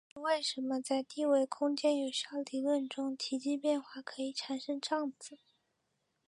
这就是为什么在低维空间有效理论中体积变化可以产生胀子。